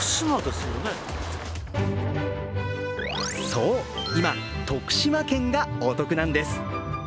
そう、今、徳島県がお得なんです。